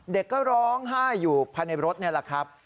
เด็กก็ร้องไห้อยู่ภายในรถนี่แหละครับ